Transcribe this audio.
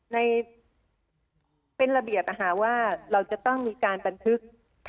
ในเป็นระเบียบนะคะว่าเราจะต้องมีการบันทึก